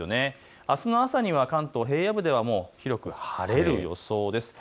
あすの朝には関東平野部にかけては晴れる予想です。